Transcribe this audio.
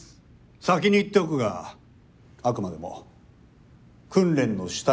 先に言っておくがあくまでも訓練の主体は君たち。